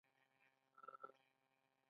نستعلیق د دوی ښکلی خط دی.